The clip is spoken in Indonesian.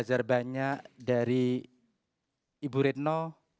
terima kasih ibu ridno